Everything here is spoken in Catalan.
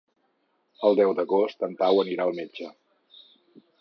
El deu d'agost en Pau anirà al metge.